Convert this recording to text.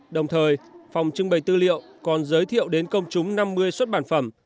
đồng thời phòng trưng bày tư liệu còn giới thiệu đến công chúng năm mươi xuất bản phẩm